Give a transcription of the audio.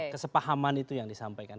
kesepahaman itu yang disampaikan